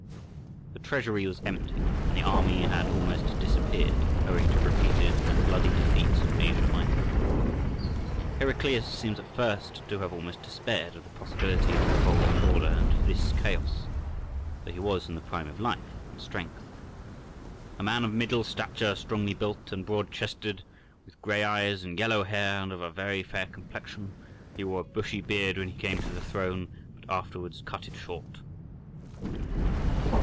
The treasury was empty, and the army had almost disappeared owing to repeated and bloody defeats in Asia Minor. Heraclius seems at first to have almost despaired of the possibility of evolving order out of this chaos, though he was in the prime of life and strength—"a man of middle stature, strongly built, and broad chested, with grey eyes and yellow hair, and of a very fair complexion; he wore a bushy beard when he came to the throne, but afterwards cut it short."